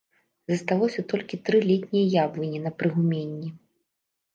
Засталося толькі тры летнія яблыні на прыгуменні.